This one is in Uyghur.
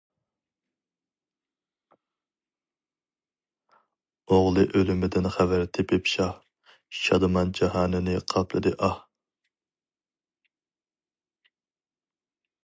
ئوغلى ئۆلۈمىدىن خەۋەر تېپىپ شاھ، شادىمان جاھانىنى قاپلىدى ئاھ.